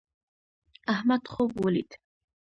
احمد خوب ولید